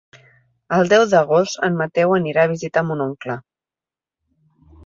El deu d'agost en Mateu anirà a visitar mon oncle.